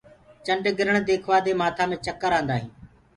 چنڊگِرڻ ديکوآ دي مآٿآ مي چڪر آندآ هينٚ۔